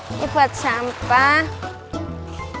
ini buat sampah